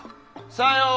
さよう。